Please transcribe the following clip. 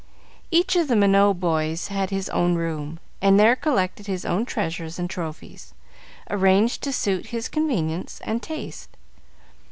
Each of the Minot boys had his own room, and there collected his own treasures and trophies, arranged to suit his convenience and taste.